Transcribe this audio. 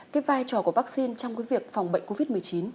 cái vai trò của vaccine trong cái việc phòng bệnh covid một mươi chín